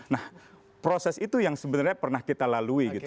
nah proses itu yang sebenarnya pernah kita lalui gitu